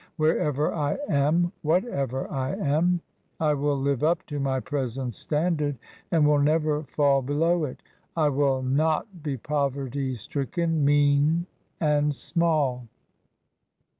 Wherever I am, whatever I am, I will live up to my present standard, and will never fall below it. I will not be poverty stricken, mean, and small."